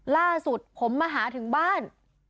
ล่าสุดผมมาหาถึงบ้าน